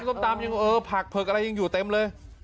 ส้มตำยังเออผักเผือกอะไรยังอยู่เต็มเลย